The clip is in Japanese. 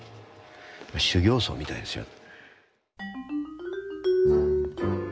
修行僧みたいですよ。